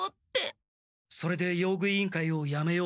それで用具委員会をやめようとしたのか。